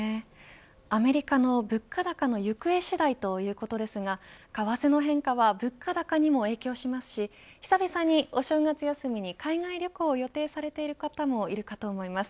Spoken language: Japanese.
アメリカの物価高の行方次第ということですが為替の変化は物価高にも影響しますし久々に、お正月休みに海外旅行を予定されている方もいると思います。